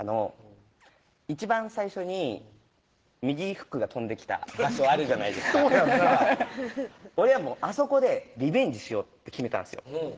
一番最初に右フックが飛んできた場所あるじゃないですか俺はもうあそこでリベンジしようって決めたんすよ